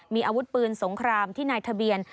มีอาวุธปืนสงครามที่นายทะเบียน